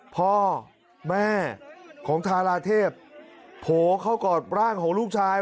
พ่อแม่ของทาราเทพโผล่เข้ากอดร่างของลูกชาย